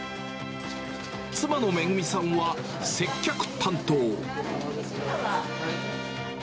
妻のめぐみさんは接客担当。